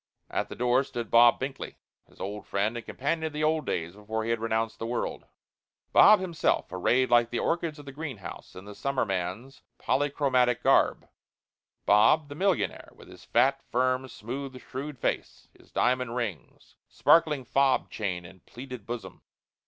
At the door stood Bob Binkley, his old friend and companion of the days before he had renounced the world Bob, himself, arrayed like the orchids of the greenhouse in the summer man's polychromatic garb Bob, the millionaire, with his fat, firm, smooth, shrewd face, his diamond rings, sparkling fob chain, and pleated bosom.